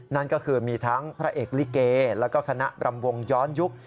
นั่นก็คือมีทั้งพระเอกลิเกแล้วก็คณะรำวงย้อนยุค